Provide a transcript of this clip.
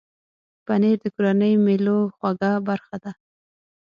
پنېر د کورنۍ مېلو خوږه برخه ده.